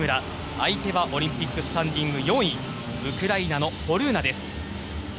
相手はオリンピックスタンディング４位ウクライナのホルーナです。